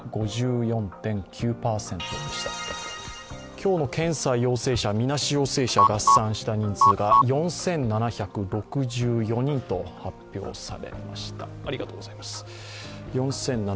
今日の検査陽性者、みなし陽性者合算した人数が４７６４人と発表されました。